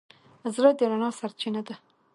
زړه د رڼا سرچینه ده.